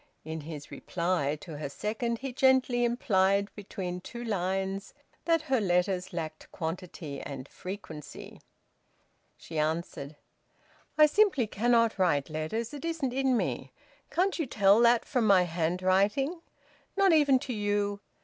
In his reply to her second he gently implied, between two lines, that her letters lacked quantity and frequency. She answered: "I simply cannot write letters. It isn't in me. Can't you tell that from my handwriting? Not even to you!